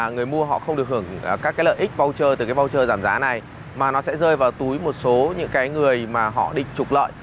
người mua họ không được hưởng các cái lợi ích voucher từ cái voucher giảm giá này mà nó sẽ rơi vào túi một số những cái người mà họ định trục lợi